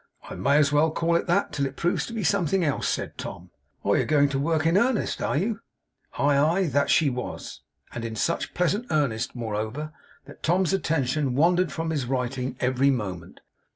'I may as well call it that, till it proves to be something else,' said Tom. 'Oh, you are going to work in earnest, are you?' Aye, aye! That she was. And in such pleasant earnest, moreover, that Tom's attention wandered from his writing every moment.